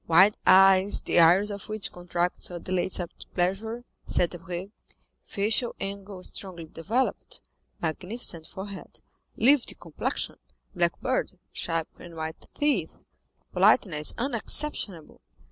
"Wild eyes, the iris of which contracts or dilates at pleasure," said Debray; "facial angle strongly developed, magnificent forehead, livid complexion, black beard, sharp and white teeth, politeness unexceptionable."